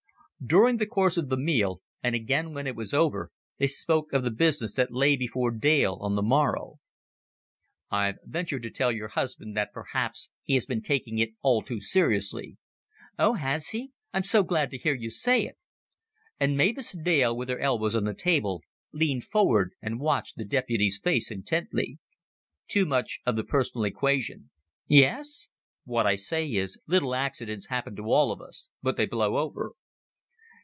During the course of the meal, and again when it was over, they spoke of the business that lay before Dale on the morrow. "I've ventured to tell your husband that perhaps he has been taking it all too seriously." "Oh, has he? I'm so glad to hear you say it." And Mavis Dale, with her elbows on the table, leaned forward and watched the deputy's face intently. "Too much of the personal equation." "Yes?" "What I say is, little accidents happen to all of us but they blow over."